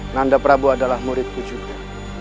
nanda prabowo adalah muridku juga